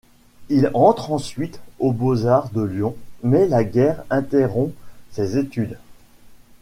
Il entre ensuite aux Beaux-Arts de Lyon, mais la guerre interrompt ses études.